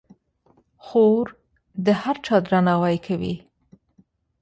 خور د هر چا درناوی کوي.